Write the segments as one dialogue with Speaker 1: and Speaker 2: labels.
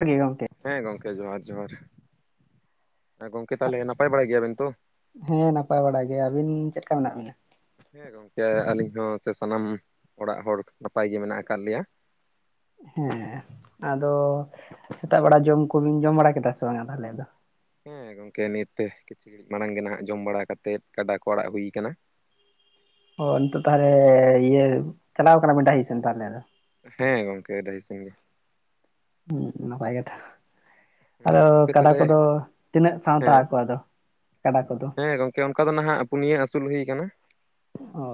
Speaker 1: ᱟᱹᱰᱤ ᱜᱚᱝᱠᱮ
Speaker 2: ᱦᱮᱸ ᱜᱚᱝᱠᱮ ᱡᱚᱦᱟᱨ ᱡᱚᱦᱟᱨ ᱾ ᱜᱚᱝᱠᱮ ᱛᱟᱦᱚᱞᱮ ᱱᱟᱯᱟᱭ ᱵᱟᱲᱟ ᱜᱮᱭᱟ ᱵᱮᱱ ᱛᱚ?
Speaker 1: ᱦᱮᱸ ᱱᱟᱯᱟᱭ ᱵᱟᱲᱟ ᱜᱮ ᱟᱹᱵᱤᱱ ᱪᱮᱫ ᱞᱮᱠᱟ ᱢᱮᱱᱟᱜ ᱵᱤᱱᱟ?
Speaker 2: ᱦᱮᱸ ᱜᱚᱝᱠᱮ ᱟᱞᱤᱧ ᱦᱚᱸ ᱥᱮ ᱥᱟᱱᱟᱢ ᱚᱲᱟᱜ ᱦᱚᱲ ᱱᱟᱯᱟᱭ ᱜᱮ ᱢᱮᱱᱟᱜ ᱟᱠᱟᱫ ᱞᱮᱭᱟ ᱾
Speaker 1: ᱦᱮᱸ ᱟᱫᱚ ᱥᱮᱛᱟᱜ ᱵᱮᱲᱟ ᱡᱚᱢ ᱠᱚᱵᱤᱱ ᱡᱚᱢ ᱵᱟᱲᱟ ᱠᱮᱫᱟ ᱥᱮ ᱵᱟᱝᱟ ᱛᱟᱦᱚᱞᱮ ᱟᱫᱚ?
Speaker 2: ᱦᱮᱸ ᱜᱚᱝᱠᱮ ᱱᱤᱛ ᱠᱤᱪᱷᱤ ᱜᱷᱬᱤᱡ ᱢᱟᱲᱟᱝ ᱜᱮ ᱱᱟᱦᱟᱜ ᱡᱚᱢ ᱵᱟᱲᱟ ᱠᱟᱛᱮ ᱠᱟᱰᱟ ᱠᱚ ᱟᱲᱟᱜ ᱦᱩᱭ ᱠᱟᱱᱟ ᱾
Speaker 1: ᱚ ᱱᱤᱛᱚᱜ ᱛᱟᱦᱚᱞᱮ ᱤᱭᱟᱹ ᱪᱟᱞᱟᱣ ᱠᱟᱱᱟ ᱵᱤᱱ ᱰᱟᱹᱦᱤ ᱥᱮᱱ ᱛᱟᱦᱚᱞᱮ ᱟᱫᱚ?
Speaker 2: ᱦᱮᱸ ᱜᱚᱝᱠᱮ ᱟᱰᱤ ᱥᱮᱱ ᱜᱮ ᱾
Speaker 1: ᱦᱮᱸ ᱱᱟᱯᱟᱭ ᱠᱟᱛᱷᱟ ᱟᱫᱚ
Speaker 2: ᱦᱮᱸ ᱜᱚᱝᱠᱮ
Speaker 1: ᱠᱟᱰᱟ
Speaker 2: ᱛᱟᱦᱚᱞᱮ
Speaker 1: ᱠᱚᱫᱚ ᱛᱤᱱᱟᱹᱜ ᱥᱟᱶᱛᱟ
Speaker 2: ᱦᱮᱸ
Speaker 1: ᱟᱠᱚ ᱟᱫᱚ? ᱠᱟᱰᱟ ᱠᱚᱫᱚ
Speaker 2: ᱦᱮᱸ ᱜᱚᱝᱠᱮ ᱚᱱᱠᱟ ᱫᱚ ᱱᱟᱦᱟᱜ ᱯᱩᱱᱭᱟᱹ ᱟᱹᱥᱩᱞ ᱦᱩᱭ ᱠᱟᱱᱟ ᱾
Speaker 1: ᱚᱻ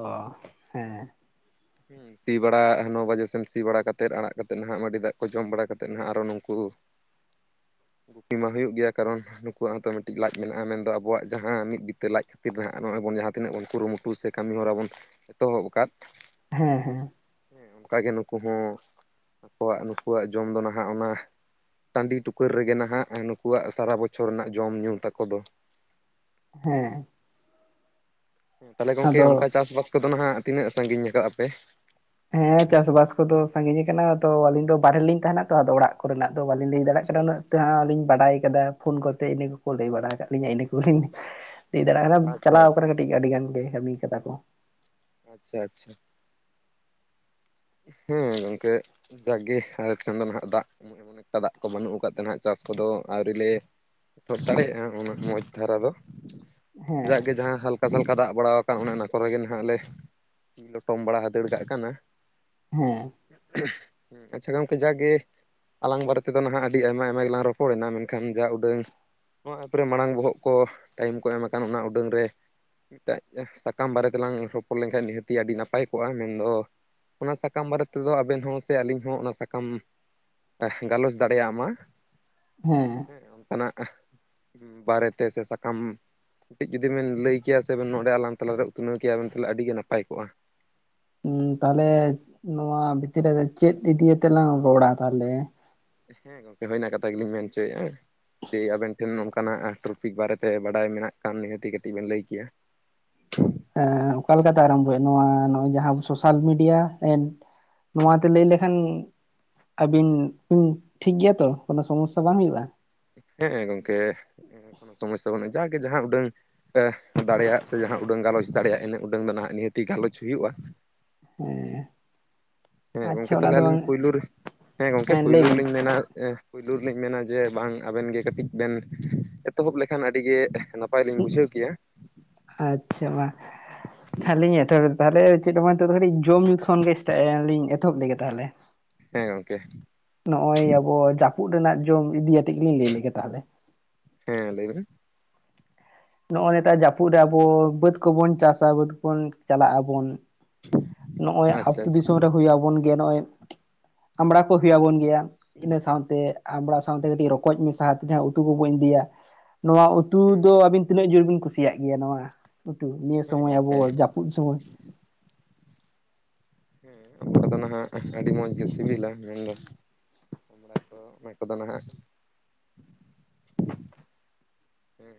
Speaker 1: ᱦᱮᱸ ᱾
Speaker 2: ᱦᱮᱸ ᱥᱤ ᱵᱟᱲᱟ ᱱᱚ ᱵᱟᱡᱮ ᱥᱮᱱ ᱥᱤ ᱵᱟᱲᱟ ᱠᱟᱛᱮᱫ ᱟᱲᱟᱜ ᱠᱟᱛᱮᱫ ᱱᱟᱦᱟᱜ ᱢᱟᱹᱰᱤ ᱫᱟᱜ ᱠᱚ ᱡᱚᱢ ᱵᱟᱲᱟ ᱠᱟᱛᱮᱫ ᱱᱟᱦᱟᱜ ᱟᱨᱚ ᱱᱩᱝᱠᱩ ᱜᱩᱯᱤ ᱢᱟ ᱦᱩᱭᱩᱜ ᱜᱮᱭᱟ ᱠᱟᱨᱚᱱ ᱱᱩᱠᱩᱣᱟᱜ ᱦᱚᱸᱛᱚ ᱢᱤᱫᱴᱤᱡ ᱞᱟᱡ ᱢᱮᱱᱟᱜᱼᱟ ᱢᱮᱱᱫᱚ ᱟᱵᱚᱣᱟᱜ ᱡᱟᱦᱟᱸ ᱢᱤᱫ ᱵᱤᱛᱟᱹ ᱞᱟᱡ [unintelligible] ᱡᱟᱦᱟᱸ ᱛᱤᱱᱟᱹᱜ ᱵᱚᱱ ᱠᱩᱨᱩᱢᱩᱴᱩ ᱥᱮ ᱠᱟᱹᱢᱤ ᱦᱚᱨᱟ ᱵᱚᱱ ᱮᱛᱚᱦᱚᱵ ᱟᱠᱟᱫ ᱾
Speaker 1: ᱦᱮᱸ ᱦᱮᱸ ᱾
Speaker 2: ᱦᱮᱸ ᱚᱱᱠᱟᱜᱮ ᱱᱩᱠᱩ ᱦᱚᱸ ᱟᱠᱚᱣᱟᱜ ᱱᱩᱠᱩᱣᱟᱜ ᱡᱚᱢ ᱫᱚ ᱱᱟᱦᱟᱜ ᱚᱱᱟ ᱴᱟᱺᱰᱤ ᱴᱩᱠᱟᱹᱨ ᱨᱮᱜᱮ ᱱᱟᱦᱟᱜ ᱱᱩᱠᱩᱣᱟᱜ ᱥᱟᱨᱟ ᱵᱚᱪᱷᱚᱨ ᱨᱮᱱᱟᱜ ᱡᱚᱢ ᱧᱩ ᱛᱟᱠᱚ ᱫᱚ ᱾
Speaker 1: ᱦᱮᱸ ᱾
Speaker 2: ᱛᱟᱦᱚᱞᱮ ᱜᱚᱝᱠᱮ
Speaker 1: ᱟᱫᱚ
Speaker 2: ᱚᱱᱠᱟ ᱪᱟᱥᱵᱟᱥ ᱠᱚᱫᱚ ᱱᱟᱦᱟᱜ ᱛᱤᱱᱟᱹᱜ ᱥᱟᱜᱤᱧ ᱠᱟᱜᱼᱟ ᱯᱮ?
Speaker 1: ᱦᱮᱸ ᱪᱟᱥ ᱵᱟᱥ ᱠᱚᱫᱚ ᱥᱟᱜᱤᱧ ᱟᱠᱟᱱᱟ ᱛᱚ ᱟᱞᱤᱧ ᱫᱚ ᱵᱟᱦᱨᱮ ᱨᱮ ᱞᱤᱧ ᱛᱟᱦᱮᱱᱟ ᱛᱚ ᱟᱫᱚ ᱚᱲᱟᱜ ᱠᱚᱨᱮᱱᱟᱜ ᱫᱚ ᱵᱟᱞᱤᱧ ᱞᱟᱹᱭ ᱫᱟᱲᱮᱭᱟᱜ
Speaker 2: ᱟᱪᱪᱷᱟ
Speaker 1: ᱠᱟᱱᱟ ᱩᱱᱟᱹᱜ
Speaker 2: ᱟᱪᱪᱷᱟ
Speaker 1: ᱛᱮᱦᱟᱜ ᱞᱤᱧ ᱵᱟᱰᱟᱭ ᱠᱟᱫᱟ ᱾ ᱯᱷᱳᱱ ᱠᱚᱛᱮ ᱤᱱᱟᱹ ᱠᱚᱠᱚ ᱞᱟᱹᱭ ᱵᱟᱲᱟ ᱟᱠᱟᱫ ᱞᱤᱧᱟᱹ ᱤᱱᱟᱹ ᱠᱚᱜᱤᱧ ᱞᱟᱹᱭ ᱫᱟᱲᱮᱭᱟᱜ ᱠᱟᱱᱟ ᱪᱟᱞᱟᱣ [unintelligible]
Speaker 2: ᱟᱪᱪᱷᱟ
Speaker 1: ᱟᱠᱟᱨᱮ ᱠᱟᱹᱴᱤᱡ‌ ᱟᱹᱰᱤ ᱜᱟᱱ ᱜᱮ ᱠᱟᱹᱢᱤ ᱠᱟᱫᱟ ᱠᱚ ᱾
Speaker 2: ᱟᱪᱪᱷᱟ ᱟᱪᱪᱷᱟ ᱾ ᱦᱮᱸ ᱜᱚᱝᱠᱮ ᱡᱟᱠ ᱜᱮ ᱟᱨᱮᱠᱥ ᱥᱮᱱ ᱫᱚ ᱱᱟᱦᱟᱜ ᱫᱟᱜ ᱛᱮᱢᱚᱱ ᱮᱠᱴᱟ ᱫᱟᱜ ᱠᱚ ᱵᱟᱹᱱᱩᱜ ᱟᱠᱟᱫ ᱛᱮ ᱱᱟᱦᱟᱜ ᱪᱟᱥ ᱠᱚᱫᱚ ᱟᱹᱣᱨᱤ ᱞᱮ ᱚᱛ ᱫᱟᱲᱮᱭᱟᱜᱼᱟ ᱚᱱᱟᱱᱟᱹᱜ ᱢᱚᱡᱽ ᱫᱷᱟᱨᱟ ᱫᱚ,
Speaker 1: ᱦᱮᱸ
Speaker 2: ᱡᱟᱜᱟᱜ ᱜᱮ ᱡᱟᱦᱟᱸ ᱦᱟᱞᱠᱟ᱾ ᱪᱟᱥ ᱠᱮᱠᱟ ᱫᱟᱜ ᱵᱟᱲᱟ ᱟᱠᱟᱱ ᱚᱱᱮ ᱚᱱᱟ ᱠᱚᱨᱮ ᱜᱮ ᱱᱟᱦᱟᱜ ᱞᱮ ᱥᱤ ᱞᱚᱴᱚᱢ ᱵᱟᱲᱟ ᱦᱟᱛᱟᱲ ᱠᱟᱜ ᱠᱟᱱᱟ ᱾
Speaker 1: ᱦᱮᱸ
Speaker 2: ᱟᱪᱪᱷᱟ ᱜᱚᱢᱠᱮ ᱡᱟᱠ-ᱜᱮᱼᱼ ᱟᱞᱟᱝ ᱵᱟᱨᱮ ᱛᱮᱫᱚ ᱱᱷᱟᱜ ᱟᱹᱰᱤ ᱟᱭᱢᱟ ᱟᱭᱢᱟ ᱜᱮᱞᱟᱝ ᱨᱚᱯᱚᱲᱮᱱᱟ, ᱢᱮᱱᱠᱷᱟᱱ ᱡᱟ ᱩᱰᱟᱹᱝᱼᱼ ᱱᱚᱣᱟ ᱮᱯᱚᱨᱮ ᱢᱟᱲᱟᱝ ᱵᱚᱦᱚᱜ ᱠᱚ ᱴᱟᱭᱤᱢ ᱠᱚ ᱮᱢ ᱟᱠᱟᱱ ᱚᱱᱟ ᱩᱰᱟᱹᱝ ᱨᱮᱼᱼ ᱢᱤᱫᱴᱮᱡ ᱥᱟᱠᱟᱢ ᱵᱟᱨᱮ ᱛᱮᱞᱟᱝ ᱨᱚᱯᱚᱲ ᱞᱮᱱᱠᱷᱟᱱ ᱱᱤᱦᱟᱹᱛᱤ ᱟᱹᱰᱤ ᱱᱟᱯᱟᱭ ᱠᱚᱜ-ᱟ, ᱢᱮᱱᱫᱚᱼᱼ ᱚᱱᱟ ᱥᱟᱠᱟᱢ ᱵᱟᱨᱮ ᱛᱮᱫᱚ ᱟᱵᱮᱱ ᱦᱚᱸ ᱥᱮ ᱟᱹᱞᱤᱧ ᱦᱚᱸ ᱚᱱᱟ ᱥᱟᱠᱟᱢᱼᱼ ᱟᱦ ᱜᱟᱞᱚᱪ ᱫᱟᱲᱮᱭᱟᱜ-ᱢᱟ᱾
Speaker 1: ᱦᱮᱸ
Speaker 2: ᱮᱸ ᱚᱱᱠᱟᱱᱟᱜ ᱵᱟᱨᱮᱛᱮ ᱥᱮ ᱥᱟᱠᱟᱢᱼᱼ ᱠᱟᱹᱴᱤᱡ ᱡᱩᱫᱤ ᱵᱮᱱ ᱞᱟᱹᱭ ᱠᱮᱭᱟ ᱥᱮ ᱵᱤᱱ ᱱᱚᱸᱰᱮ ᱟᱞᱟᱝ ᱛᱟᱞᱟᱨᱮ ᱩᱛᱱᱟᱹᱣ ᱠᱮᱭᱟ ᱵᱤᱱ ᱛᱟᱦᱚᱞᱮ ᱟᱹᱰᱤ ᱜᱮ ᱱᱟᱯᱟᱭ ᱠᱚᱜ-ᱟ᱾
Speaker 1: ᱩᱸ ᱛᱟᱦᱚᱞᱮ ᱱᱚᱣᱟ ᱵᱷᱤᱛᱨᱤ ᱨᱮᱫᱚ ᱪᱮᱫ ᱤᱫᱤ ᱟᱛᱮᱞᱟᱝ ᱨᱚᱲᱟ ᱛᱟᱞᱦᱮᱼᱼ
Speaker 2: ᱦᱮᱸ ᱜᱚᱝᱠᱮ ᱦᱩᱭ ᱮᱱᱟ ᱠᱟᱛᱷᱟ ᱜᱮᱞᱤᱧ ᱢᱮᱱ ᱦᱚᱪᱚᱭᱮᱫ-ᱟ᱾ ᱡᱩᱫᱤ ᱟᱵᱮᱱ ᱴᱷᱮᱱ ᱱᱚᱝᱠᱟᱱᱟᱜ ᱴᱨᱚᱯᱤᱠ ᱵᱟᱨᱮᱛᱮ ᱵᱟᱰᱟᱭ ᱢᱮᱱᱟᱜ ᱠᱷᱟᱱ ᱱᱤᱦᱟᱹᱛᱤ ᱠᱟᱹᱴᱤᱡ ᱵᱤᱱ ᱞᱟᱹᱭ ᱠᱮᱭᱟ᱾ [inaudible]
Speaker 1: ᱮᱸ ᱚᱠᱟ ᱞᱮᱠᱟᱛᱮ ᱟᱨᱟᱢᱵᱚᱭ ᱦᱩᱭᱩᱜ-ᱟ? ᱱᱚᱣᱟ ᱱᱚᱜ-ᱚᱭ ᱡᱟᱦᱟᱸ ᱥᱳᱥᱟᱞ ᱢᱤᱰᱤᱭᱟᱼᱼ ᱱᱚᱣᱟᱛᱮ ᱞᱟᱹᱭ ᱞᱮᱠᱷᱟᱱᱻ ᱟᱹᱵᱤᱱ ᱵᱤᱱ ᱴᱷᱤᱠ ᱜᱮᱭᱟ ᱛᱚ ᱠᱳᱱᱚ ᱥᱚᱢᱚᱥᱥᱟ ᱵᱟᱝ ᱦᱩᱭᱩᱜ-ᱟ?
Speaker 2: ᱦᱮᱸ ᱜᱚᱝᱠᱮ ᱠᱳᱱᱳ ᱥᱚᱢᱚᱥᱥᱟ ᱵᱟᱹᱱᱩᱜ-ᱟ ᱡᱟ ᱜᱮ ᱡᱟᱦᱟᱸ ᱩᱰᱟᱹᱝᱼᱼ ᱦᱮᱸ ᱫᱟᱲᱮᱭᱟᱜ ᱥᱮ ᱡᱟᱦᱟᱸ ᱩᱰᱟᱹᱝ ᱜᱟᱞᱚᱪ ᱫᱟᱲᱮᱭᱟᱜ ᱤᱱᱟᱹᱜ ᱩᱰᱟᱹᱝ ᱫᱚ ᱱᱷᱟᱜ ᱱᱤᱦᱟᱹᱛᱤ ᱜᱟᱞᱚᱪ ᱦᱩᱭᱩᱜ-ᱟ᱾
Speaker 1: ᱦᱮᱸ
Speaker 2: ᱦᱮᱸ
Speaker 1: ᱟᱪᱪᱷᱟ
Speaker 2: ᱜᱚᱝᱠᱮ
Speaker 1: ᱚᱱᱟ
Speaker 2: ᱛᱟᱦᱚᱞᱮ
Speaker 1: ᱫᱚ
Speaker 2: ᱟᱹᱞᱤᱧ
Speaker 1: ᱵᱟᱝ
Speaker 2: ᱯᱳᱭᱞᱩᱨ ᱦᱮᱸ ᱜᱚᱢᱠᱮ
Speaker 1: ᱞᱟᱹᱭ
Speaker 2: ᱯᱳᱭᱞᱳ
Speaker 1: ᱵᱤᱱ
Speaker 2: ᱨᱮᱞᱤᱧ ᱢᱮᱱᱟ ᱮᱸ ᱼᱼ ᱯᱩᱭᱞᱳ ᱨᱮᱞᱤᱧ ᱢᱮᱱᱟ ᱡᱮ ᱵᱟᱝ ᱟᱵᱮᱱ ᱜᱮ ᱠᱟᱹᱴᱤᱡ ᱵᱮᱱ ᱮᱛᱚᱦᱚᱵ ᱞᱮᱠᱷᱟᱱ ᱟᱹᱰᱤᱜᱮ ᱱᱟᱯᱟᱭᱼᱼ ᱱᱟᱯᱟᱭ ᱞᱤᱧ ᱵᱩᱡᱷᱟᱹᱣ ᱠᱮᱭᱟ᱾
Speaker 1: ᱟᱪᱪᱷᱟ ᱢᱟ, ᱟᱞᱤᱧ ᱮᱛᱚᱦᱚᱵ ᱞᱮᱫᱟ ᱛᱟᱦᱚᱞᱮ ᱪᱮᱫ ᱦᱚᱸ ᱵᱟᱝ ᱱᱤᱛᱚᱜ-ᱫᱚ ᱠᱟᱹᱴᱤᱡ ᱡᱚᱢ-ᱧᱩ ᱠᱷᱚᱱᱜᱮ ᱠᱟᱹᱴᱤᱡ ᱞᱤᱧ ᱮᱛᱚᱦᱚᱵ ᱞᱮᱜᱮ ᱛᱟᱦᱚᱞᱮ᱾ [inaudible]
Speaker 2: ᱦᱮᱸ ᱜᱚᱝᱠᱮ
Speaker 1: ᱱᱚᱜ-ᱚᱭ ᱟᱵᱚ ᱡᱟᱹᱯᱩᱫ ᱨᱮᱱᱟᱜ ᱡᱚᱢ ᱤᱫᱤ ᱟᱛᱮᱜ ᱜᱮᱞᱤᱧ ᱞᱟᱹᱭ ᱞᱮᱜᱮ ᱛᱟᱦᱮᱞᱮ᱾
Speaker 2: ᱦᱮᱸ ᱞᱟᱹᱭ ᱢᱮ
Speaker 1: ᱱᱚᱜ-ᱚᱭ ᱱᱮᱛᱟᱨ ᱡᱟᱹᱯᱩᱫ ᱨᱮ ᱟᱵᱚ ᱵᱟᱹᱫᱽ ᱠᱚᱵᱚᱱ ᱪᱟᱥᱟ, ᱵᱟᱹᱫ ᱠᱚᱵᱚᱱ ᱪᱟᱞᱟᱜ ᱟᱵᱚᱱᱼᱼ
Speaker 2: [inaudible]
Speaker 1: ᱱᱚᱜ-ᱚᱭ
Speaker 2: ᱟᱪᱪᱷᱟ
Speaker 1: ᱟᱛᱳ
Speaker 2: ᱟᱪᱪᱷᱟ
Speaker 1: ᱫᱤᱥᱚᱢ ᱨᱮ ᱦᱩᱭ ᱟᱵᱚᱱ ᱜᱮᱭᱟ ᱱᱚᱜ-ᱚᱭ ᱟᱢᱲᱟ ᱠᱚ ᱦᱩᱭ ᱟᱵᱚᱱ ᱜᱮᱭᱟ᱾ ᱤᱱᱟᱹ ᱥᱟᱸᱣᱛᱮ ᱟᱢᱲᱟ ᱥᱟᱸᱣᱛᱮ ᱠᱟᱹᱴᱤᱡ ᱨᱚᱠᱚᱡ ᱢᱮᱥᱟᱛᱮ ᱡᱟᱦᱟᱸ ᱩᱛᱩ ᱠᱚᱵᱚᱱ ᱤᱫᱤᱭᱟ᱾ ᱱᱚᱣᱟ ᱩᱛᱼᱼ ᱩᱛᱩ
Speaker 2: ᱦᱮᱸ
Speaker 1: ᱫᱚ ᱟᱹᱵᱤᱱ ᱛᱤᱱᱟᱹᱜ ᱡᱳᱨ ᱵᱤᱱ ᱠᱩᱥᱤᱭᱟᱜ ᱜᱮᱭᱟ? ᱱᱚᱣᱟ ᱩᱛᱩ ᱱᱤᱭᱟᱹ
Speaker 2: ᱦᱮᱸ
Speaker 1: ᱥᱳᱢᱚᱭ ᱟᱵᱚ
Speaker 2: ᱜᱚᱝᱠᱮ
Speaker 1: ᱡᱟᱹᱯᱩᱫ ᱥᱳᱢᱚᱭ᱾
Speaker 2: ᱦᱮᱸ ᱟᱢᱲᱟ ᱫᱚ ᱱᱷᱟᱜ ᱟᱹᱰᱤ ᱢᱚᱡᱽ ᱜᱮ ᱥᱤᱵᱤᱞᱟ, ᱢᱮᱱᱫᱚᱼᱼ ᱟᱢᱲᱟ ᱠᱚ ᱚᱱᱟ ᱠᱚᱫᱚ ᱱᱷᱟᱜ ᱦᱮᱸᱼᱼ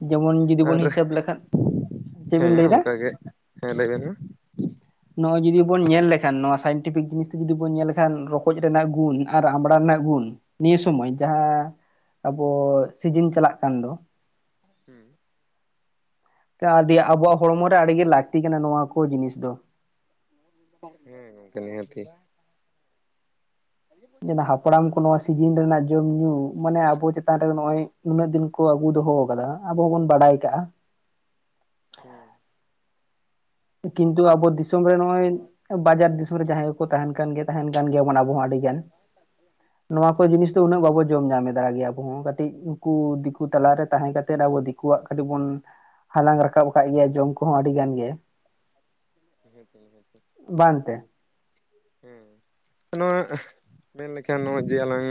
Speaker 1: ᱡᱮᱢᱚᱱᱼᱼ
Speaker 2: ᱟᱨ ᱦᱮᱸ
Speaker 1: ᱞᱟᱹᱭ ᱮᱫᱟ
Speaker 2: ᱚᱱᱠᱟᱜᱮ ᱦᱮᱸ ᱞᱟᱹᱭ ᱵᱮᱱ ᱢᱟ᱾
Speaker 1: ᱱᱚᱜ-ᱚᱭ ᱡᱩᱫᱤ ᱵᱚᱱ ᱧᱮᱞ ᱞᱮᱠᱷᱟᱱ ᱱᱚᱣᱟ ᱥᱟᱭᱮᱱᱴᱤᱯᱷᱤᱠ ᱡᱤᱱᱤᱥ ᱛᱮ ᱡᱩᱫᱤ ᱵᱚᱱ ᱧᱮᱞ ᱞᱮᱠᱷᱟᱱ ᱨᱚᱠᱚᱡᱽ ᱨᱮᱱᱟᱜ ᱜᱩᱱ ᱟᱨ ᱟᱢᱲᱟ ᱨᱮᱱᱟᱜ ᱜᱩᱱᱼᱼ ᱱᱤᱭᱟᱹ ᱥᱚᱢᱚᱭ ᱡᱟᱦᱟᱸ ᱟᱵᱚ ᱥᱤᱡᱤᱱ ᱪᱟᱞᱟᱜ ᱠᱟᱱ ᱫᱚᱼᱼ
Speaker 2: ᱦᱩᱸ
Speaker 1: ᱪᱟ ᱟᱹᱰᱤ ᱟᱵᱚᱣᱟᱜ ᱦᱚᱲᱢᱚ ᱨᱮ ᱟᱹᱰᱤᱜᱮ ᱞᱟᱹᱠᱛᱤ ᱠᱟᱱᱟ ᱱᱚᱣᱟ ᱠᱚ ᱡᱤᱱᱤᱥ ᱫᱚ᱾
Speaker 2: ᱦᱩᱸ ᱜᱚᱢᱠᱮ ᱱᱤᱦᱟᱹᱛᱤ᱾
Speaker 1: ᱠᱚᱲᱟᱢ ᱠᱚ ᱱᱚᱣᱟ ᱥᱤᱡᱤᱱ ᱨᱮᱱᱟᱜ ᱡᱚᱢ ᱧᱩ ᱢᱟᱱᱮ ᱟᱵᱚ ᱪᱮᱛᱟᱱ ᱨᱮ ᱱᱚᱜ-ᱚᱭ ᱱᱩᱱᱟᱹᱜ ᱫᱤᱱ ᱠᱚ ᱟᱹᱜᱩ ᱫᱚᱦᱚ ᱟᱠᱟᱫᱟᱼᱼ ᱟᱵᱚ ᱦᱚᱸᱵᱚᱱ ᱵᱟᱰᱟᱭ ᱠᱟᱜ-ᱟ᱾
Speaker 2: ᱦᱩᱸ
Speaker 1: ᱠᱤᱱᱛᱩ ᱟᱵᱚ ᱫᱤᱥᱚᱢ ᱨᱮ ᱱᱚᱜ-ᱚᱭ ᱵᱟᱡᱟᱨ ᱫᱤᱥᱚᱢ ᱨᱮ ᱡᱟᱦᱟᱸᱭ ᱠᱚᱠᱚ ᱛᱟᱦᱮᱸᱱ ᱠᱟᱱ ᱜᱮᱭᱟ ᱛᱟᱦᱮᱱ ᱠᱟᱱ ᱜᱮᱭᱟᱵᱚᱱ ᱟᱵᱚ ᱦᱚᱸ ᱟᱹᱰᱤᱼᱼ ᱜᱟᱱ ᱱᱚᱣᱟ ᱠᱚ ᱡᱤᱱᱤᱥ ᱫᱚ ᱩᱱᱟᱹᱜ ᱵᱟᱵᱚ ᱡᱚᱢ ᱧᱟᱢᱮᱫᱟ ᱫᱟᱲᱮᱭᱟᱜ ᱜᱮᱭᱟᱼᱼ ᱟᱵᱚ ᱦᱚᱸ ᱠᱟᱹᱴᱤᱡ ᱩᱱᱠᱩ ᱫᱤᱠᱩ ᱛᱟᱞᱟ ᱨᱮ ᱛᱟᱦᱮᱸ ᱠᱟᱛᱮᱫ ᱟᱵᱚ ᱫᱤᱠᱩᱣᱟᱜ ᱠᱟᱹᱴᱤᱡ ᱵᱚᱱᱼᱼ ᱦᱟᱞᱟᱝ ᱨᱟᱠᱟᱵ ᱟᱠᱟᱫ ᱜᱮᱭᱟ ᱡᱚᱢ ᱠᱚᱦᱚᱸ ᱟᱹᱰᱤ ᱜᱟᱱ ᱜᱮ᱾
Speaker 2: [unintelligible]
Speaker 1: ᱵᱟᱱ ᱛᱮ ᱾
Speaker 2: ᱦᱮᱸ, ᱦᱮᱸᱜ ᱱᱚᱣᱟ ᱢᱮᱱ ᱞᱮᱠᱷᱟᱱ ᱱᱚᱜᱼᱚᱭ ᱡᱮ ᱟᱞᱟᱝᱼᱼ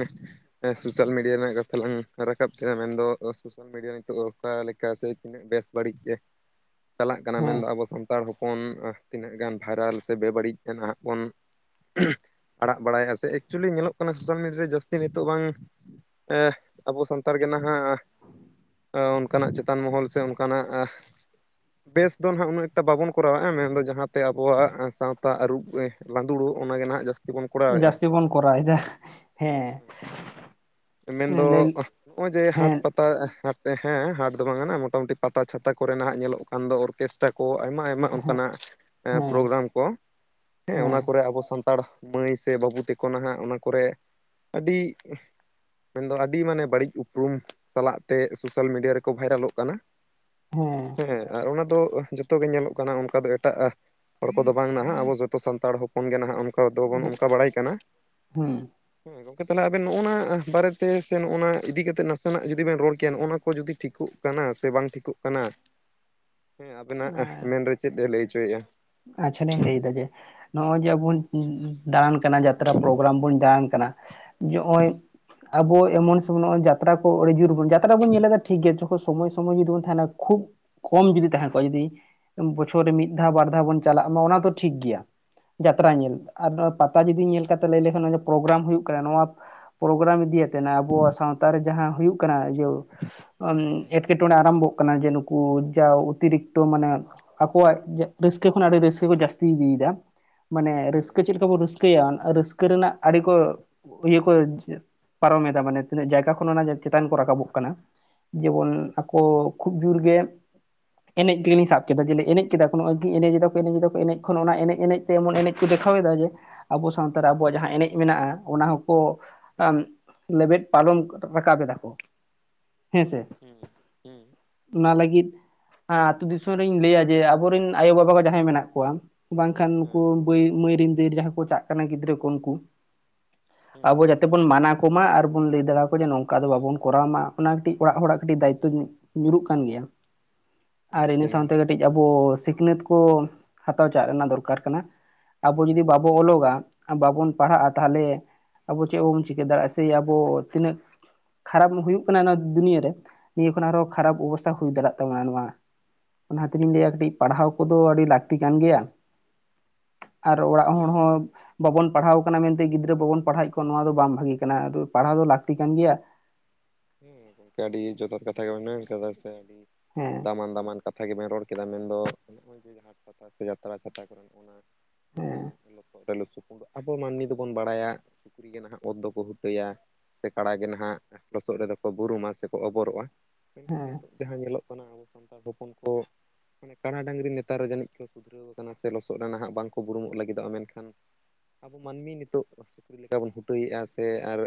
Speaker 2: ᱥᱳᱥᱟᱞ ᱢᱤᱰᱤᱭᱟ ᱨᱮᱱᱟᱜ ᱠᱟᱛᱷᱟ ᱞᱟᱝ ᱨᱟᱠᱟᱵ ᱠᱮᱫᱟ ᱢᱮᱱ ᱫᱚ ᱥᱳᱥᱟᱞ ᱢᱤᱰᱤᱭᱟ ᱱᱤᱛᱚᱜ ᱚᱠᱟ ᱞᱮᱠᱟ ᱥᱮᱼᱼ ᱵᱮᱥ ᱵᱟᱹᱲᱤᱡ ᱜᱮ ᱾ ᱪᱟᱞᱟᱜ ᱠᱟᱱᱟ ᱢᱮᱱ ᱫᱚ
Speaker 1: ᱦᱮᱸ
Speaker 2: ᱟᱵᱚ ᱥᱟᱱᱛᱟᱲ ᱦᱚᱯᱚᱱ ᱛᱤᱱᱟᱹᱜ ᱜᱟᱱ ᱵᱷᱟᱭᱨᱟᱞ, ᱥᱮ ᱵᱮᱵᱟᱹᱲᱤᱡ ᱱᱟᱦᱟᱜ ᱵᱚᱱᱼᱼ ᱮᱦᱮ, ᱟᱲᱟᱜ ᱵᱟᱲᱟᱭᱮᱫᱼᱟ ᱥᱮ ᱮᱠᱪᱩᱞᱮᱞᱤ ᱧᱮᱞᱚᱜ ᱠᱟᱱᱟ ᱥᱳᱥᱟᱞ ᱢᱤᱰᱤᱭᱟ ᱨᱮ ᱡᱟᱹᱥᱛᱤ ᱱᱤᱛᱚᱜ ᱵᱟᱝᱼᱼ ᱮᱸᱜ, ᱟᱵᱚ ᱥᱟᱱᱛᱟᱲ ᱜᱮ ᱱᱟᱦᱟᱜᱼᱼ ᱱᱚᱜᱼᱚ ᱱᱠᱟᱱᱟᱜ ᱪᱮᱛᱟᱱ ᱢᱚᱦᱚᱞ ᱥᱮ ᱚᱱᱠᱟᱱᱟᱜ ᱟᱸᱜᱼᱼ
Speaker 1: [unintelligible]
Speaker 2: ᱵᱮᱥ ᱫᱚ ᱱᱟᱦᱟᱜ ᱩᱱᱟᱹᱜ ᱮᱠᱴᱟ ᱵᱟᱵᱚᱱ ᱠᱚᱨᱟᱣᱮᱫᱼᱟ, ᱢᱮᱱᱫᱚ ᱡᱟᱦᱟᱸᱛᱮ ᱟᱵᱚᱣᱟᱜ ᱥᱟᱶᱛᱟ ᱟᱹᱨᱩᱵ ᱮᱜ ᱞᱟᱸᱫᱩᱲᱚᱜᱼᱼ ᱚᱱᱟ ᱜᱮ ᱱᱟᱜ ᱡᱟᱹᱥᱼᱼ
Speaker 1: ᱡᱟᱹᱥᱛᱤ ᱵᱚᱱ ᱠᱚᱨᱟᱣ ᱮᱫᱟ, ᱦᱮᱸᱼᱼ
Speaker 2: ᱢᱮᱱᱫᱚ, ᱱᱚᱜᱼᱚᱭ ᱡᱮ ᱦᱟᱴ
Speaker 1: ᱦᱮᱸ
Speaker 2: ᱯᱟᱛᱼᱼ ᱯᱟᱛᱟ ᱦᱟᱴ, ᱦᱮᱸ ᱦᱟᱴ ᱫᱚ ᱵᱟᱝᱟ ᱱᱟᱜ ᱢᱚᱴᱟᱢᱩᱴᱤ ᱯᱟᱛᱟ ᱪᱷᱟᱛᱟ ᱠᱚ ᱨᱮᱱᱟᱜ ᱧᱮᱞᱚᱜ ᱠᱟᱱ ᱫᱚ ᱚᱨᱠᱮᱥᱴᱨᱟ ᱠᱚ ᱟᱭᱢᱟ ᱟᱭᱢᱟᱼᱼ ᱱᱚᱜᱼᱚ
Speaker 1: ᱦᱮᱸ
Speaker 2: ᱱᱠᱟᱱᱟᱜ ᱮᱸ
Speaker 1: ᱦᱮᱸ
Speaker 2: ᱯᱨᱳᱜᱨᱟᱢ ᱠᱚ, ᱦᱮᱸ ᱚᱱᱟ ᱠᱚᱨᱮ ᱟᱵᱚᱼᱼ ᱥᱟᱱᱛᱟᱲ ᱢᱟᱹᱭ ᱥᱮ ᱵᱟᱹᱵᱩ ᱛᱟᱠᱚ ᱱᱟᱦᱟᱜ ᱚᱱᱟ ᱠᱚᱨᱮ ᱟᱹᱰᱤᱼᱼ ᱢᱮᱱ ᱫᱚ ᱟᱹᱰᱤ ᱢᱟᱱᱮ ᱵᱟᱹᱲᱤᱡ ᱩᱯᱨᱩᱢ ᱥᱟᱞᱟᱜ ᱛᱮ ᱥᱳᱥᱟᱞ ᱢᱤᱰᱤᱭᱟ ᱨᱮᱠᱚ ᱵᱷᱟᱭᱨᱟᱞᱚᱜ ᱠᱟᱱᱟ᱾
Speaker 1: ᱦᱮᱸ
Speaker 2: ᱦᱮᱸ ᱟᱨ ᱚᱱᱟ ᱫᱚ ᱡᱚᱛᱚ ᱜᱮ ᱧᱮᱞᱚᱜ ᱠᱟᱱᱟ ᱚᱱᱠᱟ ᱫᱚ ᱮᱴᱟᱜᱟᱜᱼᱼ ᱦᱚᱲ ᱠᱚᱫᱚ ᱵᱟᱝ ᱱᱟᱜ, ᱟᱵᱚ ᱡᱚᱛᱚ ᱥᱟᱱᱛᱟᱲ ᱦᱚᱯᱚᱱ ᱜᱮ ᱱᱟᱦᱟᱜ ᱚᱱᱠᱟ ᱫᱚᱵᱚᱱ ᱚᱱᱠᱟ ᱵᱟᱲᱟᱭ ᱠᱟᱱᱟ᱾
Speaker 1: ᱦᱩᱸ
Speaker 2: ᱦᱮᱸ ᱜᱚᱝᱠᱮ ᱛᱟᱦᱚᱞᱮ ᱟᱵᱮᱱ ᱱᱚᱜᱼᱚ ᱱᱚᱣᱟ ᱵᱟᱨᱮ ᱛᱮ ᱥᱮ ᱱᱚᱜᱼᱱᱟ ᱤᱫᱤ ᱠᱟᱛᱮᱫ ᱱᱟᱥᱮ ᱱᱟᱜ ᱡᱩᱫᱤ ᱵᱮᱱ ᱨᱚᱲ ᱠᱮᱭᱟ ᱱᱚᱜ ᱱᱚᱣᱟ ᱠᱚ ᱡᱩᱫᱤ ᱴᱷᱤᱠᱚᱜᱼᱼ ᱠᱟᱱᱟ ᱥᱮ ᱵᱟᱝ ᱴᱷᱤᱠᱩᱜ ᱠᱟᱱᱟ ᱾
Speaker 1: [inaudible]
Speaker 2: ᱦᱮᱸ ᱟᱵᱮᱱᱟᱜ
Speaker 1: ᱦᱮᱸ
Speaker 2: ᱢᱮᱱ ᱨᱮ ᱪᱮᱫ ᱮ ᱞᱟᱹᱭ ᱚᱪᱚᱭᱮᱫᱼᱟ?
Speaker 1: ᱟᱪᱪᱷᱟ ᱞᱤᱧ ᱞᱟᱹᱭ ᱫᱟ, ᱡᱮ ᱱᱚᱜ ᱚᱭ ᱡᱮ ᱟᱵᱩᱱ ᱫᱟᱬᱟᱱ ᱠᱟᱱᱟ ᱡᱟᱛᱨᱟ ᱯᱨᱳᱜᱨᱟᱢ ᱵᱚᱱ ᱫᱟᱟᱲᱟᱱ ᱠᱟᱱᱟᱼᱼ ᱱᱚᱜ ᱚᱭ, ᱟᱵᱚ ᱮᱢᱚᱱ ᱥᱮ ᱱᱚᱜᱼᱚᱭ ᱡᱟᱛᱨᱟ ᱠᱚ ᱟᱹᱰᱤ ᱡᱳᱨᱵᱚᱱ, ᱡᱟᱛᱨᱟ ᱵᱚᱱ ᱧᱮᱞᱮ ᱫᱟ ᱴᱷᱤᱠ ᱜᱮᱭᱟ ᱾ ᱥᱚᱢᱚᱭ ᱥᱚᱢᱚᱭ ᱡᱩᱫᱤ ᱵᱚᱱ ᱛᱟᱸᱦᱮᱱᱟ ᱠᱷᱩᱵᱽ ᱠᱚᱢ ᱜᱮ ᱡᱩᱫᱤ ᱛᱟᱦᱮᱸ ᱠᱚᱜᱼᱟ ᱡᱩᱫᱤ ᱵᱚᱪᱷᱚᱨ ᱨᱮ ᱢᱤᱫ ᱫᱷᱟᱣ ᱵᱟᱨᱼᱼ ᱫᱷᱟ ᱵᱚᱱ ᱪᱟᱞᱟᱜ ᱢᱟ ᱚᱱᱟ ᱫᱚ ᱴᱷᱤᱠ ᱜᱮᱭᱟ ᱾ ᱡᱟᱛᱨᱟ ᱧᱮᱞ, ᱟᱨ ᱯᱟᱛᱟ ᱡᱩᱫᱤ ᱧᱮᱞ ᱠᱟᱛᱮ ᱞᱟᱹᱭ ᱞᱮᱠᱷᱟᱱ ᱯᱨᱳᱜᱨᱟᱢ ᱦᱩᱭᱩᱜ ᱠᱟᱱᱟ ᱱᱚᱣᱟ ᱾ ᱯᱨᱳᱜᱨᱟᱢ ᱤᱫᱤ ᱠᱟᱛᱮᱫ ᱟᱵᱚᱣᱟᱜ ᱥᱟᱶᱛᱟ ᱨᱮ ᱡᱟᱦᱟᱸ ᱦᱩᱭᱩᱜ ᱠᱟᱱᱟ ᱤᱭᱟᱹᱼᱼ ᱮᱴᱠᱮᱴᱚᱬᱮ ᱟᱨᱚᱢᱵᱷᱚᱜ ᱠᱟᱱᱟ ᱡᱮ ᱱᱩᱠᱩ ᱡᱟ ᱚᱛᱤᱨᱤᱠᱛᱚ ᱢᱟᱱᱮ, ᱟᱠᱚᱣᱟᱜ ᱡᱮᱼᱼ ᱨᱟᱹᱥᱠᱟᱹ ᱠᱷᱚᱱ ᱟᱹᱰᱤ ᱨᱟᱹᱥᱠᱟᱹ ᱠᱚ ᱡᱟᱹᱥᱛᱤ ᱤᱫᱤ ᱭᱮᱫᱟ, ᱢᱟᱱᱮ ᱨᱟᱹᱥᱠᱟᱹ ᱪᱮᱫ ᱞᱮᱠᱟ ᱵᱚ ᱨᱟᱹᱥᱼᱼ ᱠᱟᱹᱭᱟ, ᱨᱟᱹᱥᱠᱟᱹ ᱨᱮᱱᱟᱜ ᱟᱹᱰᱤ ᱠᱚᱼᱼ ᱤᱭᱟᱹ ᱠᱚ, ᱯᱟᱨᱚᱢᱮᱫᱟ ᱢᱟᱱᱮ ᱛᱤᱱᱟᱹᱜ ᱡᱟᱭᱜᱟ ᱠᱷᱚᱱ ᱚᱱᱟ ᱪᱮᱛᱟᱱ ᱠᱚ ᱨᱟᱠᱟᱵᱚᱜ ᱠᱟᱱᱟ ᱾ ᱡᱮᱢᱚᱱ ᱟᱠᱚ ᱠᱷᱩᱵᱽ ᱡᱳᱨ ᱜᱮ, ᱮᱱᱮᱡ ᱜᱮᱞᱤᱧ ᱥᱟᱵ ᱠᱮᱫᱟ ᱡᱮᱞᱮ ᱮᱱᱮᱡ ᱠᱮᱫᱟ᱾ ᱱᱚᱜᱼᱚᱭ ᱜᱮ ᱠᱚ ᱮᱱᱮᱡᱟ ᱠᱚ ᱮᱱᱮᱡ ᱠᱷᱚᱱ ᱚᱱᱟ ᱮᱱᱮᱡ ᱮᱱᱮᱡ ᱛᱮ ᱮᱢᱚᱱ ᱮᱱᱮᱡ ᱠᱚ ᱫᱮᱠᱷᱟᱣᱮᱫᱟ ᱡᱮᱼᱼ ᱟᱵᱚ ᱥᱟᱶᱛᱟ ᱨᱮ ᱟᱵᱚᱣᱟᱜ ᱡᱟᱦᱟᱸ ᱮᱱᱮᱡ ᱢᱮᱱᱟᱜᱼᱟ, ᱚᱱᱟ ᱦᱚᱸᱠᱚᱼᱼ ᱟᱢ ᱞᱮᱵᱮᱫ ᱯᱟᱨᱚᱢ ᱨᱟᱠᱟᱵᱮᱫᱟ ᱠᱚ, ᱦᱮᱸᱥᱮ ᱾
Speaker 2: ᱦᱩᱸ ᱦᱩᱸ ᱾
Speaker 1: ᱚᱱᱟ ᱞᱟᱹᱜᱤᱫ, ᱟᱸ ᱟᱹᱛᱩ ᱫᱤᱥᱚᱢ ᱨᱤᱧ ᱞᱟᱹᱭᱟ ᱡᱮ ᱟᱵᱚᱨᱮᱱ ᱟᱭᱳᱼ ᱵᱟᱵᱟ ᱠᱚ ᱡᱟᱦᱟᱸᱭ ᱢᱮᱱᱟᱜ ᱠᱚᱣᱟᱼᱼ ᱵᱟᱝ ᱠᱷᱟᱱ ᱩᱱᱠᱩ ᱵᱟᱹᱭ ᱢᱟᱹᱭ ᱨᱮᱱ ᱫᱟᱹᱭ ᱡᱟᱦᱟᱸᱭ ᱠᱚ ᱪᱟᱜ ᱠᱟᱱᱟ ᱜᱤᱫᱽᱨᱟᱹ ᱠᱚ ᱩᱱᱠᱩᱼᱼ ᱟᱵᱚ ᱡᱟᱼᱼ ᱛᱮ ᱵᱚᱱ ᱢᱟᱱᱟ ᱠᱚᱢᱟ ᱟᱨ ᱵᱚᱱ ᱞᱟᱹᱭ ᱫᱟᱲᱟ ᱟᱠᱚ ᱡᱮ ᱱᱚᱝᱠᱟ ᱫᱚ ᱵᱟᱵᱚᱱ ᱠᱚᱨᱟᱣ ᱢᱟ, ᱚᱱᱟ ᱠᱟᱹᱴᱤᱡ ᱚᱲᱟᱜ ᱦᱚᱲᱟᱜ ᱠᱟᱹᱴᱤᱡ ᱫᱟᱭᱤᱛᱛᱚᱼᱼ ᱧᱩᱨᱩᱜ ᱠᱟᱱ ᱜᱮᱭᱟ, ᱟᱨ
Speaker 2: ᱱᱤᱦᱟᱹᱛᱤ
Speaker 1: ᱤᱱᱟᱹ ᱥᱟᱶᱛᱮ ᱠᱟᱹᱴᱤᱡ ᱟᱵᱚᱼᱼ ᱥᱤᱠᱷᱱᱟᱹᱛ ᱠᱚ, ᱦᱟᱛᱟᱣ ᱪᱟᱜ ᱨᱮᱱᱟᱜ ᱫᱚᱨᱠᱟᱨ ᱠᱟᱱᱟ᱾ ᱟᱵᱚ ᱡᱩᱫᱤ ᱵᱟᱵᱚ ᱚᱞᱚᱜᱼᱟ ᱵᱟᱵᱚᱱ ᱯᱟᱲᱦᱟᱜᱼᱟ ᱛᱟᱦᱚᱞᱮᱼᱼ ᱟᱵᱚ ᱪᱮᱫ ᱦᱚᱸ ᱵᱟᱵᱚᱱ ᱪᱤᱠᱟᱹ ᱫᱟᱲᱮᱭᱟᱜᱼᱟ ᱥᱮ ᱟᱵᱚ ᱛᱤᱱᱟᱹᱜᱼᱼ ᱠᱷᱟᱨᱟᱵ ᱫᱚ ᱦᱩᱭᱩᱜ ᱠᱟᱱᱟ ᱱᱚᱣᱟ ᱫᱩᱱᱤᱭᱟᱹᱨᱮ ᱱᱤᱭᱟᱹ ᱠᱷᱚᱱ ᱟᱨᱦᱚᱸ ᱠᱷᱟᱨᱟᱯ ᱚᱵᱚᱥᱛᱟ ᱦᱩᱭ ᱫᱟᱲᱮᱭᱟᱜ ᱛᱟᱵᱚᱱᱟ ᱱᱚᱣᱟᱼᱼ ᱚᱱᱟᱛᱮᱞᱤᱧ ᱞᱟᱹᱭᱟ ᱠᱟᱹᱴᱤᱡᱼᱼ ᱯᱟᱲᱦᱟᱣ ᱠᱚᱫᱚ ᱟᱹᱰᱤ ᱞᱟᱹᱠᱛᱤ ᱠᱟᱱ ᱜᱮᱭᱟ ᱟᱨ ᱚᱲᱟᱜ ᱦᱚᱲ
Speaker 2: ᱦᱮᱸ
Speaker 1: ᱦᱚᱸ ᱵᱟᱵᱚᱱ ᱯᱟᱲᱦᱟᱣ ᱠᱟᱱᱟ ᱢᱮᱱᱛᱮ ᱜᱤᱫᱷᱨᱟ ᱵᱟᱵᱚᱱ ᱯᱟᱲᱦᱟᱭᱮᱫ ᱠᱚᱣᱟ ᱱᱚᱣᱟ ᱫᱚ ᱵᱟᱝ ᱵᱷᱟᱜᱤ ᱠᱟᱱᱟ ᱟᱫᱚ ᱯᱟᱲᱦᱟᱣ ᱫᱚ ᱞᱟᱹᱠᱛᱤ ᱠᱟᱱ ᱜᱮᱭᱟ᱾
Speaker 2: ᱦᱮᱸ ᱜᱝᱢᱠᱮ ᱟᱹᱰᱤ ᱡᱚᱛᱷᱟᱛ ᱠᱟᱛᱷᱟ ᱜᱮ ᱢᱮᱱ ᱠᱟᱫᱟ ᱥᱮ ᱟᱹᱰᱤ
Speaker 1: ᱦᱮᱸ
Speaker 2: ᱫᱟᱢᱟᱱ ᱫᱟᱢᱟᱱ ᱠᱟᱛ [unintelligible] [unintelligible]
Speaker 1: ᱦᱮᱸ
Speaker 2: ᱟᱵᱚ ᱢᱟᱹᱱᱢᱤ ᱫᱚᱵᱚᱱ ᱵᱟᱲᱟᱭᱟ ᱥᱩᱠᱨᱤᱜᱮ ᱱᱟᱦᱟᱜ ᱚᱛ ᱫᱚ ᱠᱚ ᱦᱩᱴᱟᱹᱭᱟ ᱥᱮ ᱠᱟᱲᱮ ᱜᱮ ᱱᱟᱦᱟᱜ ᱞᱚᱥᱚᱫ ᱨᱮᱫᱚ ᱠᱚ ᱵᱩᱨᱩᱢᱟ ᱥᱮᱠᱚ ᱵᱩᱨᱩᱢᱟ ᱥᱮ ᱠᱚ ᱚᱵᱚᱨᱚᱜ-ᱟ ᱢᱮᱱᱠᱷᱟᱱ ᱱᱤᱛᱚᱜ ᱡᱟᱦᱟᱸ ᱧᱮᱞᱚᱜ ᱠᱟᱱᱟ ᱟᱵᱚ ᱥᱟᱱᱛᱟᱲ ᱦᱚᱯᱚᱱ ᱠᱚ ᱢᱟᱱᱮ ᱠᱟᱸᱬᱟ ᱰᱟᱹᱝᱨᱤ ᱱᱮᱛᱟᱨ ᱱᱮᱛᱟᱨ ᱮ ᱡᱟᱹᱱᱤᱡ ᱠᱚ ᱥᱩᱫᱷᱨᱟᱹᱣ ᱠᱟᱱᱟ ᱥᱮ ᱞᱚᱥᱚᱫ ᱨᱮ ᱱᱟᱦᱟᱸᱜ ᱵᱟᱝᱠᱚ ᱵᱩᱨᱩᱢᱚᱜ ᱞᱟᱜᱤᱫᱚᱜ-ᱟ ᱢᱮᱱᱠᱷᱟᱱ ᱟᱵᱚ ᱢᱟᱱᱢᱤ ᱱᱤᱛᱚᱜ ᱥᱩᱠᱨᱤ ᱞᱮᱠᱟ ᱵᱚᱱ ᱦᱩᱴᱟᱹᱭᱮᱫ-ᱟ ᱥᱮ ᱟᱨ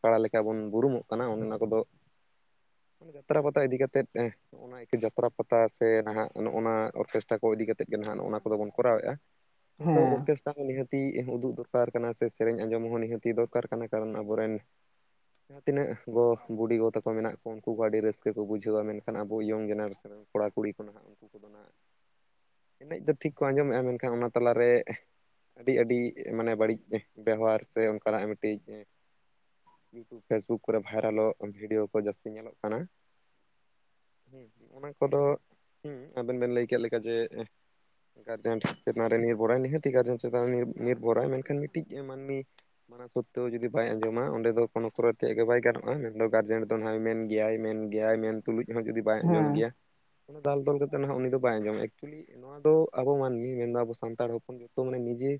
Speaker 2: ᱠᱟᱲᱟ ᱞᱮᱠᱟ ᱵᱚᱱ ᱵᱩᱨᱩᱢᱚᱜ ᱠᱟᱱᱟ ᱚᱱᱱᱟ ᱠᱚᱫᱚ ᱢᱟᱱᱮ ᱡᱟᱛᱨᱟ ᱯᱟᱛᱟ ᱤᱫᱤ ᱠᱟᱛᱮᱫ ᱮ ᱚᱱᱟ ᱮ ᱠᱟᱹ ᱡᱟᱛᱨᱟ ᱯᱟᱛᱟ ᱥᱮ ᱱᱟᱦᱟᱜ ᱚᱱᱮ ᱚᱱᱟ ᱚᱨᱠᱮᱥᱴᱟ ᱠᱚ ᱤᱫᱤ ᱠᱟᱛᱮᱫ ᱜᱮ ᱱᱟᱦᱟᱜ ᱱ-ᱚᱜᱱᱟ ᱠᱚᱫᱚ ᱵᱚᱱ ᱠᱚᱨᱟᱣᱮᱫ-ᱟ
Speaker 1: [inaudible]
Speaker 2: [unintelligible] ᱱᱤᱦᱟᱹᱛᱤ ᱮᱱᱦᱚᱸ ᱩᱫᱩᱜ ᱫᱩᱨᱠᱟᱨ ᱠᱟᱱᱟ ᱥᱮ ᱥᱮᱨᱮᱧ ᱟᱸᱡᱚᱢ ᱦᱚᱸ ᱱᱤᱦᱟᱹᱛᱤ ᱫᱚᱨᱠᱟᱨ ᱠᱟᱱᱟ ᱠᱟᱨᱚᱱ ᱟᱵᱚᱨᱮᱱ ᱡᱟᱦᱟᱸ ᱛᱤᱱᱟᱹᱜ ᱜᱚ ᱵᱩᱰᱤ ᱜᱚ ᱛᱟᱠᱚ ᱢᱮᱱᱟᱜ ᱠᱚ ᱩᱱᱠᱩ ᱠᱚ ᱟᱰᱤ ᱨᱟᱹᱥᱠᱟᱹ ᱠᱚ ᱵᱩᱡᱷᱟᱹᱣ-ᱟ ᱢᱮᱱᱠᱷᱟᱱ ᱟᱵᱚ ᱤᱭᱚᱝ ᱡᱮᱱᱟᱨᱮᱥᱚᱱ ᱠᱚᱲᱟ ᱠᱩᱲᱤ ᱠᱚ ᱱᱟᱦᱟᱜ ᱩᱱᱠᱩ ᱠᱚᱫᱚ ᱱᱟᱜ ᱮᱱᱮᱸᱡ ᱠᱚ ᱴᱷᱤᱠ ᱠᱚ ᱟᱸᱡᱚᱢᱚᱜ-ᱟ ᱢᱮᱱᱠᱷᱟᱱ ᱚᱱᱟ ᱛᱟᱞᱟᱨᱮ ᱟᱹᱰᱤ ᱟᱹᱰᱤ ᱢᱟᱱᱮ ᱵᱟᱹᱲᱤᱡ ᱵᱮᱣᱦᱟᱨ ᱥᱮ ᱚᱱᱠᱟᱱᱟᱜ ᱢᱤᱫᱴᱤᱡ ᱮ ᱤᱭᱩᱴᱩᱵ ᱯᱷᱮᱥᱵᱩᱠ ᱠᱚᱨᱮ ᱵᱷᱟᱭᱨᱟᱞᱚᱜ ᱵᱷᱤᱰᱭᱳ ᱠᱚ ᱡᱟᱹᱥᱛᱤ ᱧᱮᱞᱚᱜ ᱠᱟᱱᱟ᱾ ᱦᱮᱸ ᱱᱚᱜᱱᱟ ᱠᱚᱫᱚ ᱦᱩᱸ ᱟᱵᱮᱱ ᱵᱮᱱ ᱞᱟᱹᱭ ᱠᱮᱫ ᱞᱮᱠᱟ ᱡᱮ ᱜᱟᱨᱡᱮᱱᱴ ᱥᱮ ᱱᱚᱨᱮ ᱱᱤᱨᱵᱷᱚᱨᱟᱭ ᱱᱤᱦᱟᱹᱛᱤ ᱜᱟᱨᱡᱮᱱ ᱪᱮᱛᱟᱱ ᱨᱮ ᱱᱤᱨ ᱱᱤᱨᱵᱷᱚᱨᱟᱭ ᱢᱮᱱ ᱠᱷᱟᱱ ᱢᱤᱴᱤᱡ ᱢᱟᱱᱢᱤ ᱢᱟᱱᱟ ᱥᱳᱛᱛᱮᱣ ᱡᱩᱫᱤ ᱵᱟᱭ ᱟᱸᱡᱚᱢᱟ ᱚᱸᱰᱮ ᱫᱚ ᱠᱳᱱᱳ ᱠᱚᱨᱟᱨ ᱛᱮᱭᱟᱜ ᱜᱮ ᱵᱟᱭ ᱜᱟᱱᱚᱜ-ᱟᱭ ᱢᱮᱱᱫᱚ ᱜᱟᱨᱡᱮᱱᱴ ᱫᱚ ᱱᱟᱦ ᱮ ᱢᱮᱱ ᱜᱮᱭᱟᱭ ᱢᱮᱱ ᱜᱮᱭᱟᱭ ᱢᱮᱱ ᱛᱩᱞᱩᱡ ᱦᱚᱸ ᱡᱩᱫᱤ ᱵᱟᱭ ᱟᱸᱡᱚᱢ
Speaker 1: ᱦᱮᱸ
Speaker 2: ᱜᱮᱭᱟ ᱩᱱ ᱫᱟᱞ ᱛᱚᱞ ᱠᱟᱛᱮ ᱱᱟᱦᱟᱜ ᱩᱱᱤ ᱫᱚ ᱵᱟᱭ ᱟᱸᱡᱚᱢ ᱜᱮᱭᱟ ᱮᱠᱠᱪᱩᱞᱤ ᱱᱚᱣᱟ ᱫᱚ ᱟᱵᱚ ᱢᱟᱹᱱᱢᱤ ᱢᱮᱱᱫᱚ ᱟᱵᱚ ᱥᱟᱱᱛᱟᱲ ᱦᱚᱯᱚᱱ ᱡᱚᱛᱚ ᱢᱟᱱᱮ ᱱᱤᱡᱮ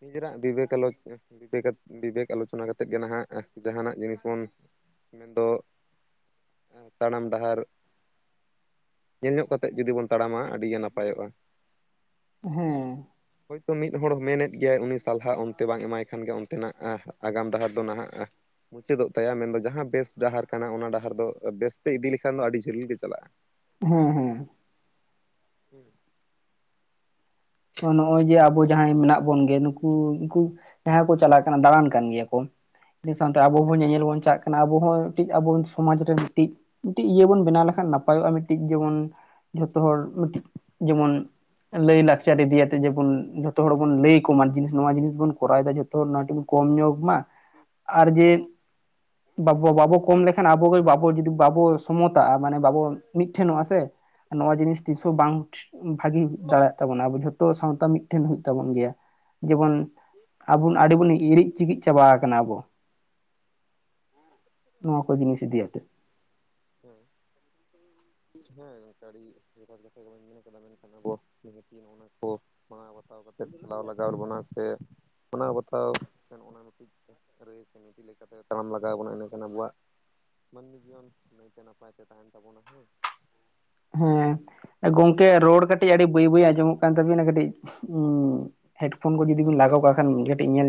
Speaker 2: ᱱᱤᱡᱮᱨᱟᱜ ᱵᱤᱵᱮᱠ ᱟᱞᱳᱪ ᱵᱤᱵᱮ ᱵᱤᱵᱮᱠ ᱟᱞᱳᱪᱚᱱᱟ ᱠᱟᱛᱮᱫ ᱜᱮ ᱱᱟᱦᱟᱜ ᱡᱟᱦᱟᱱᱟᱜ ᱡᱤᱱᱤᱥ ᱵᱚᱱ ᱢᱮᱱᱫᱚ ᱛᱟᱲᱟᱢ ᱰᱟᱦᱟᱨ ᱧᱮᱞ ᱧᱚᱜ ᱠᱟᱛᱮᱫ ᱡᱩᱫᱤ ᱵᱚᱱ ᱛᱟᱲᱟᱢᱟ ᱟᱹᱰᱤ ᱜᱮ ᱱᱟᱯᱟᱭᱚᱜ-ᱟ ᱦᱮᱸ ᱦᱳᱭᱛᱳ ᱢᱤᱫ ᱦᱚᱲ ᱢᱮᱱᱮᱫ ᱜᱮᱭᱟᱭ ᱩᱱᱤ ᱥᱟᱞᱦᱟ ᱚᱱᱛᱮ ᱵᱟᱝ ᱮᱢᱟᱭ ᱠᱷᱟᱱ ᱜᱮ ᱚᱱᱛᱮᱱᱟᱜ ᱟᱜᱟᱢ ᱰᱟᱦᱟᱨ ᱫᱚ ᱱᱟᱦᱟᱜ ᱢᱩᱪᱟᱹᱫᱚᱜ ᱛᱟᱭᱟ ᱢᱮᱱᱫᱚ ᱡᱟᱦᱟᱸ ᱢᱮᱱ ᱫᱚ ᱡᱟᱦᱟᱸ ᱵᱮᱥ ᱰᱟᱦᱟᱨ ᱠᱟᱱᱟ ᱚᱱᱟ ᱰᱟᱦᱟᱨ ᱫᱚ ᱵᱮᱥᱛᱮ ᱤᱫᱤ ᱞᱮᱠᱷᱟᱱ ᱫᱚ ᱟᱹᱰᱤ ᱡᱷᱟᱹᱞ ᱜᱮ ᱪᱟᱞᱟᱜ-ᱟ᱾
Speaker 1: ᱦᱮᱸ ᱦᱮᱸ
Speaker 2: ᱦᱮᱸ
Speaker 1: ᱜᱳᱱᱜᱮ ᱱᱩᱠᱩ ᱩᱱᱠᱩ ᱡᱟᱦᱟᱸ ᱠᱚ ᱪᱟᱞᱟᱜ ᱠᱟᱱᱟ ᱫᱟᱬᱟᱱ ᱠᱟᱱ ᱜᱮᱭᱟ ᱠᱚ ᱤᱱᱟᱹ ᱥᱟᱱᱛᱮ ᱟᱵᱚ ᱵᱚᱱ ᱧᱮᱸᱧᱮᱞ ᱵᱚᱱ ᱪᱟᱜ ᱠᱟᱱᱟ ᱟᱵᱚ ᱦᱚᱸ ᱢᱤᱫᱴᱤᱡ ᱟᱵᱚ ᱥᱚᱢᱟᱡᱽ ᱨᱮ ᱢᱤᱫᱴᱤᱡ ᱢᱤᱫᱴᱤᱡ ᱤᱭᱟᱹ ᱵᱚᱱ ᱵᱮᱱᱟᱣ ᱞᱮᱠᱷᱟᱱ ᱱᱟᱯᱟᱭᱚᱜ-ᱟ ᱢᱤᱫᱴᱤᱡ ᱡᱮᱢᱚᱱ ᱡᱷᱚᱛᱚ ᱦᱚᱲ ᱢᱤᱫᱴᱤᱡ ᱡᱮᱢᱚᱱ ᱞᱟᱹᱭ ᱞᱟᱠᱪᱟᱨ ᱤᱫᱤᱭᱟᱛᱮᱜ ᱡᱮᱢᱚᱱ ᱡᱷᱚᱛᱚ ᱦᱚᱲ ᱵᱚᱱ ᱞᱟᱹᱭ ᱠᱚᱢᱟ ᱡᱤᱱᱤᱥ ᱱᱚᱣᱟ ᱡᱤᱱᱤᱥ ᱵᱚᱱ ᱠᱚᱨᱟᱣ ᱫᱟ ᱡᱷᱚᱛᱚ ᱦᱚᱲ ᱠᱚᱢ ᱧᱚᱜᱽ ᱢᱟ ᱟᱨ ᱡᱮ ᱵᱟᱵᱚ ᱵᱟᱵᱚ ᱠᱚᱢ ᱞᱮᱠᱷᱟᱱ ᱟᱵᱚ ᱜᱮ ᱵᱟᱵᱚ ᱡᱩᱫᱤ ᱵᱟᱵᱚ ᱥᱚᱢᱚᱛᱟᱜ-ᱟ ᱢᱟᱱᱮ ᱵᱟᱵᱚ ᱢᱤᱫ ᱴᱷᱮᱱᱚᱜ-ᱟ ᱥᱮ ᱱᱚᱣᱟ ᱡᱤᱱᱤᱥ ᱛᱤᱥ ᱦᱚᱸ
Speaker 2: ᱦᱮᱸ
Speaker 1: ᱵᱟᱝ ᱵᱷᱟᱜᱤ ᱫᱟᱲᱮ ᱛᱟᱵᱚᱱᱟ ᱟᱵᱚ ᱡᱷᱚᱛᱚ ᱥᱟᱶᱛᱟ ᱢᱤᱫᱴᱷᱮᱱ ᱦᱩᱭᱩᱜ ᱛᱟᱵᱚᱱ ᱜᱮᱭᱟ ᱡᱮᱢᱚᱱ ᱟᱵᱚᱱ ᱟᱹᱰᱤ ᱵᱚᱱ ᱤᱨᱤᱡ ᱪᱤᱠᱤᱡ ᱪᱟᱵᱟᱣ ᱠᱟᱱᱟ ᱵᱚ ᱱᱚᱣᱟ ᱠᱚ ᱡᱤᱱᱤᱸᱥ ᱤᱫᱤᱭᱟᱛᱮ᱾
Speaker 2: ᱦᱮᱸ ᱦᱮᱸ ᱜᱚᱝᱠᱮ ᱟᱰᱤ ᱡᱚᱛᱷᱟᱛ ᱠᱟᱛᱷᱟ ᱜᱮᱵᱮᱱ ᱢᱮᱱ ᱠᱟᱫᱟ ᱢᱮᱱᱠᱷᱟᱱ ᱟᱵᱚ ᱱᱤᱦᱟᱹ [unintelligible] ᱱᱟᱣ ᱵᱟᱛᱟᱣ ᱠᱟᱛᱮᱫ ᱪᱟᱞᱟᱣ ᱞᱟᱜᱟᱣ ᱮᱫ ᱵᱚᱱᱟ ᱥᱮ ᱢᱟᱱᱟᱣ ᱵᱟᱛᱟᱣ ᱥᱮ ᱱᱚᱜᱚᱱᱟ ᱢᱤᱫᱴᱤᱡ ᱛᱮ ᱨᱟᱹᱭ ᱥᱮ ᱱᱤᱛᱤ ᱞᱮᱠᱟᱛᱮ ᱛᱟᱲᱟᱢ ᱞᱟᱜᱟᱣ ᱵᱚᱱᱟ ᱤᱱᱟᱹᱠᱟᱱ ᱟᱵᱚᱣᱟᱜ ᱢᱟᱹᱱᱢᱤ ᱡᱤᱭᱚᱱ ᱱᱟᱹᱭᱛᱮ ᱱᱟᱯᱟᱭ ᱛᱮ ᱛᱟᱸᱦᱮᱱ ᱛᱟᱵᱚᱱᱟ ᱦᱮᱸ
Speaker 1: ᱦᱮᱸ ᱜᱚᱝᱠᱮ ᱨᱚᱲ ᱠᱟᱹᱴᱤᱡ ᱟᱹᱰᱤ ᱵᱟᱹᱭ ᱵᱟᱹᱭ ᱟᱸᱡᱚᱢᱚᱜ ᱠᱟᱱ ᱛᱟᱵᱤᱱᱟ ᱠᱟᱹᱴᱤᱡ ᱩᱻ ᱦᱮᱰᱯᱷᱳᱱ ᱠᱚ ᱡᱩᱫᱤᱵᱤᱱ
Speaker 2: ᱟᱪᱪᱷᱟ
Speaker 1: ᱞᱟᱜᱟᱣ ᱠᱟᱜ
Speaker 2: ᱟᱪᱪᱷᱟ
Speaker 1: ᱠᱷᱟᱱ ᱠᱟᱹᱴᱤᱡ ᱧᱮᱞ